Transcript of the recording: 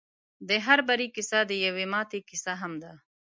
د هر بري کيسه د يوې ماتې کيسه هم ده.